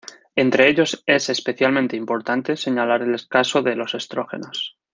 Entre ellos, es especialmente importante señalar el caso de los estrógenos.